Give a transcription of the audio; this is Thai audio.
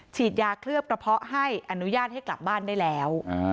ฉีดยาเคลือบกระเพาะให้อนุญาตให้กลับบ้านได้แล้ว